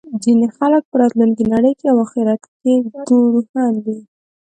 ځینې خلک په راتلونکې نړۍ او اخرت ګروهن دي